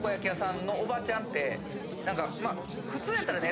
普通やったらね